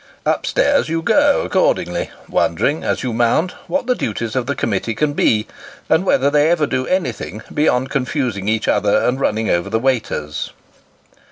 Up stairs you go, accordingly ; wondering, as you mount, what the duties of the committee can be, and whether they ever do anything beyond con fusing each other, and running over the waiters.